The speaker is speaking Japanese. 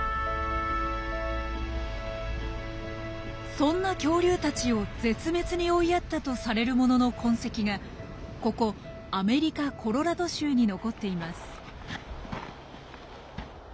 そんな恐竜たちを絶滅に追いやったとされるものの痕跡がここアメリカ・コロラド州に残っています。